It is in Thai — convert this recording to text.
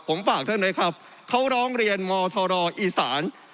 ผมฝากท่านไว้ครับเขาร้องเรียนมทรอีสาน